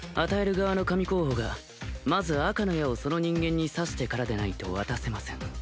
側の神候補がまず赤の矢をその人間に刺してからでないと渡せません